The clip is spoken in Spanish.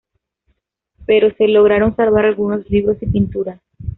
Pero se lograron salvar algunos libros y pinturas.